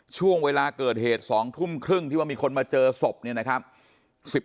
ช่วงเวลาเกิดเหตุ๒ทุ่มครึ่งที่ว่ามีคนมาเจอศพเนี่ยนะครับ